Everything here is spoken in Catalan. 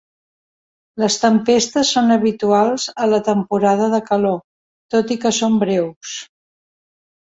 Les tempestes són habituals a la temporada de calor, tot i que són breus.